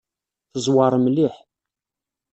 Teẓwer mliḥ.